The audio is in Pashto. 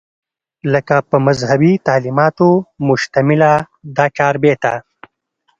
لکه پۀ مذهبي تعليماتو مشتمله دا چاربېته